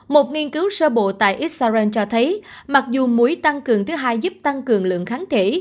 một nghiên cứu sơ bộ tại israel cho thấy mặc dù mũi tăng cường thứ hai giúp tăng cường lượng kháng thể